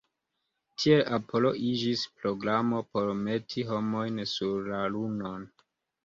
Tiel Apollo iĝis programo por meti homojn sur la Lunon.